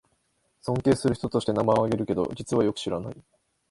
尊敬する人として名前をあげるけど、実はよく知らない